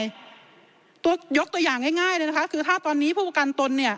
ยกตัวอย่างง่ายเลยนะคะคือถ้าตอนนี้ผู้ประกันตนเนี่ย